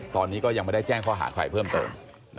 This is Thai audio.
ตอนนี้ก็ยังไม่ได้แจ้งข้อหาใครเพิ่มเติม